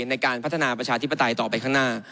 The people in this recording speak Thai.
ในการพัฒนาประชาธิปไตยต่อไปข้างหน้า